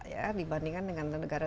ya dibandingkan dengan negara